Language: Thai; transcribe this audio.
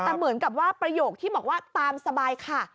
แต่เหมือนกับว่าประโยคที่บอกว่าตามสบายค่ะ